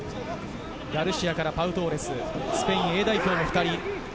ガルシアからパウ・トーレス、スペインＡ代表の２人。